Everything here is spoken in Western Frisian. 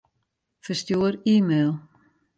Ferstjoer e-mail.